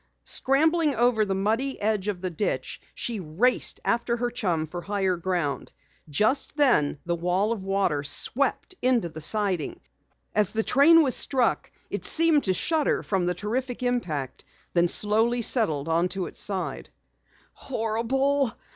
Scrambling over the muddy edge of the ditch, she raced after her chum for higher ground. Just then the wall of water swept into the siding. As the train was struck it seemed to shudder from the terrific impact, then slowly settled on its side. "Horrible!"